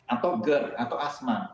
atau ger atau asma